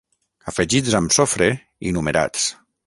Afegits amb sofre i numerats.